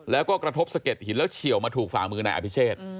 แล้วก็กระทบสะเด็ดหินแล้วเฉียวมาถูกฝ่ามือนายอภิเชษ